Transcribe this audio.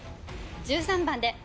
１３番で。